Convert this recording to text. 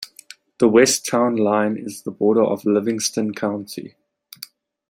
The west town line is the border of Livingston County.